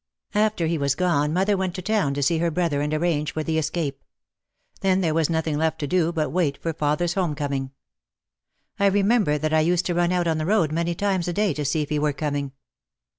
After he was gone mother went to town to see her brother and arrange for the escape. Then there was nothing left to do but wait for father's home coming. I remember that I used to run out on the road many times a day to see if he were coming.